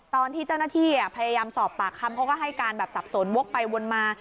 ตอนที่เจ้าหน้าที่พยายามสอบปากคำเขาก็ให้การแบบสับสนวกไปวนมา